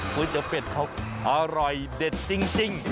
คุยเต๋ยวเป็ดเขาอร่อยเด็ดจริง